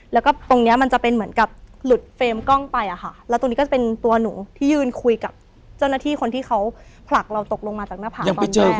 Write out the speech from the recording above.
แล้วก็ตรงเนี้ยมันจะเป็นเหมือนกับหลุดเฟรมกล้องไปอะค่ะแล้วตรงนี้ก็จะเป็นตัวหนูที่ยืนคุยกับเจ้าหน้าที่คนที่เขาผลักเราตกลงมาจากหน้าผาตอนแรก